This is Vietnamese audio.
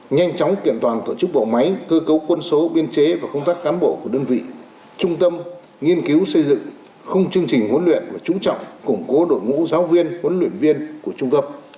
nhanh chóng kiện toàn tổ chức bộ máy cơ cấu quân số biên chế và công tác cán bộ của đơn vị trung tâm nghiên cứu xây dựng khung chương trình huấn luyện và chú trọng củng cố đội ngũ giáo viên huấn luyện viên của trung tâm